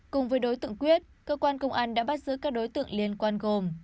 cùng với đối tượng quyết cơ quan công an đã bắt giữ các đối tượng liên quan gồm